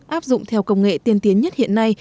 áp dụng theo công nghệ tiên tiến nhất hiện nay